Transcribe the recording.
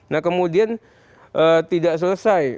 nah kemudian tidak selesai